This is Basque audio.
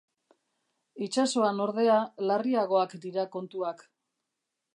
Itsasoan, ordea, larriagoak dira kontuak.